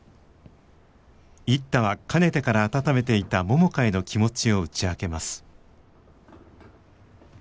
一太はかねてから温めていた百花への気持ちを打ち明けます。